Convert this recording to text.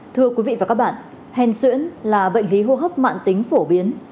thưa quý vị và các bạn hèn xuyễn là bệnh lý hô hấp mạng tính phổ biến